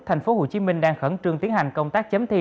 thành phố hồ chí minh đang khẩn trương tiến hành công tác chấm thi